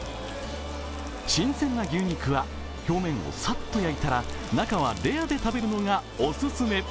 新鮮な牛肉は表面をサッと焼いたら中はレアで食べるのがオススメ。